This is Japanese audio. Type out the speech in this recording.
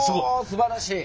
すばらしい。